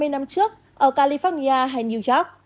ba mươi năm trước ở california hay new york